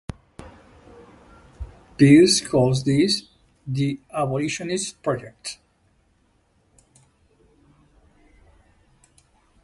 Pearce calls this the "abolitionist project".